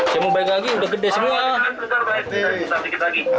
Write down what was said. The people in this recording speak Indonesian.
saya mau balik lagi udah gede semua